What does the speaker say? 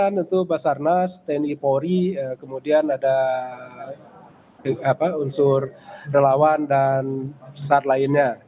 pencarian itu basarnas tni pori kemudian ada unsur relawan dan besar lainnya